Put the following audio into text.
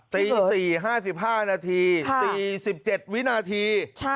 ตี๔๕๕นาที๔๗วินาที